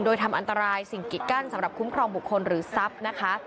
โดยทำอันตรายสิ่งกิดกั้นสำหรับคุ้มครองบุคคลหรือทรัพย์นะคะ